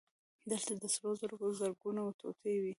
دلته د سرو زرو زرګونه ټوټې وې